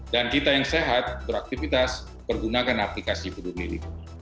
dan kita yang sehat beraktivitas pergunakan aplikasi budu lilik